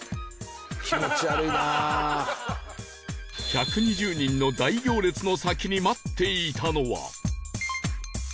１２０人の大行列の先に待っていたのは